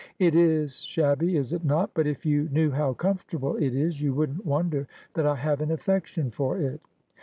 ' It is shabby, is it not ? But if you knew how comfortable it is you wouldn't wonder that I have an affection for it.'